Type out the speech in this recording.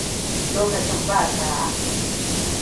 Lokacin ba sa'a.